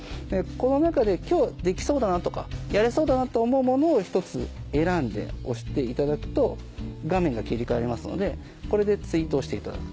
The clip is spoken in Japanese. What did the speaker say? この中で今日できそうだなとかやれそうだなと思うものを１つ選んで押していただくと画面が切り替わりますのでこれでツイートしていただく。